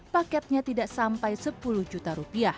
paketnya tidak sampai rp sepuluh juta